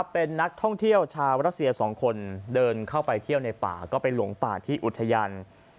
เป็นนักท่องเที่ยวชาวรัสเซีย๒คนเดินเข้าไปเที่ยวในป่าก็ไปหลงป่าที่อุทยาน